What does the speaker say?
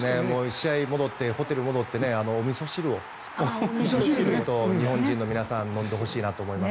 ホテルに戻っておみそ汁を日本人の皆さん飲んでほしいなと思います。